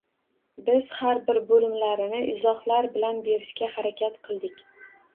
Biz har bir boʻlimlarini izohlar bilan berishga harakat qildik.